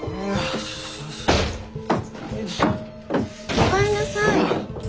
おかえりなさい。